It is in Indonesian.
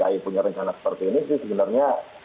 pencontr dki punya rencana seperti ini sih sebenarnya